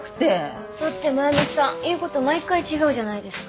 だって真由美さん言うこと毎回違うじゃないですか。